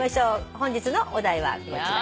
本日のお題はこちら。